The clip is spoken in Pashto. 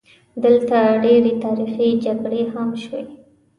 دلته ډېرې تاریخي جګړې هم شوي.